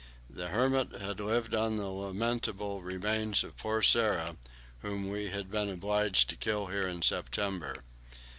The hermit had lived on the lamentable remains of poor Sara, whom we had been obliged to kill here in September.